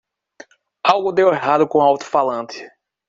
Algo deu errado com o alto-falante.